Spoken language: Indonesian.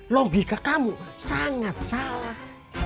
logika kamu sangat salah